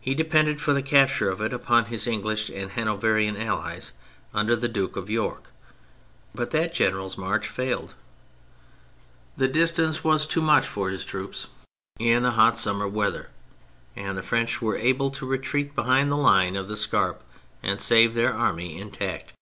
He depended for the capture of it upon his English and Hanoverian Allies under the Duke of York, but that general's march failed. The distance was too much for his troops in THE MILITARY ASPECT 181 the hot summer weather, and the French were able to retreat behind the Hne of the Scarpa and save their army intact.